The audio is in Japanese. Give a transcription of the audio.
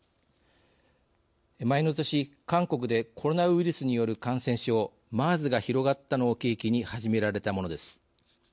前の年、韓国でコロナウイルスによる感染症ＭＥＲＳが広がったのを契機に始められたものです。